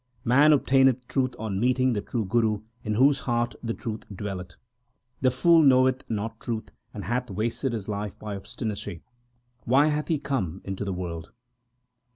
Man obtaineth truth on meeting the true Guru in whose heart the truth dwelleth. The fool knoweth not truth, and hath wasted his life by obstinacy ; Why hath he come into the world